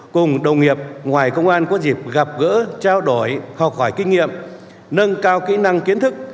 cùng đồng nghiệp ngoài công an có dịp gặp gỡ trao đổi học hỏi kinh nghiệm nâng cao kỹ năng kiến thức